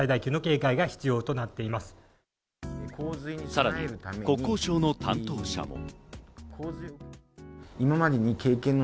さらに国交省の担当者も。